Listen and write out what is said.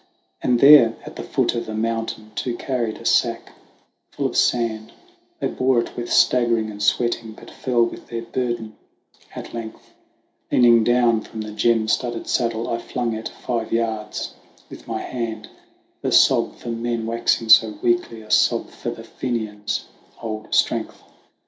And there at the foot of the mountain, two carried a sack full of sand, They bore it with staggering and sweating, but fell with their burden at length : Leaning down from the gem studded saddle, I flung it five yards with my hand, With a sob for men waxing so weakly, a sob for the Fenians' old strength.